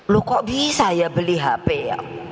loh kok bisa ya beli hp ya